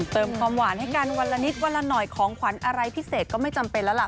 เติมความหวานให้กันวันละนิดวันละหน่อยของขวัญอะไรพิเศษก็ไม่จำเป็นแล้วล่ะ